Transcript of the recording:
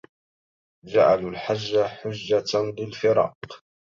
جعلوا الحج حجة للفراق